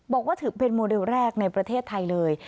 บอกว่าถือเป็นโมเดลแรกในประเทศไทยเลย